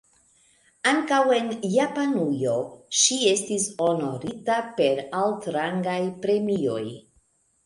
Ankaŭ en Japanujo ŝi estis honorita per altrangaj premioj.